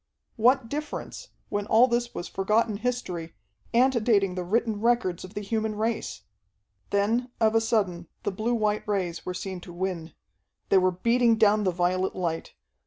What difference, when all this was forgotten history, antedating the written records of the human race? Then of a sudden the blue white rays were seen to win. They were beating down the violet light.